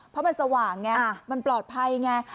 เพราะมันสว่างไงมันปลอดภัยไง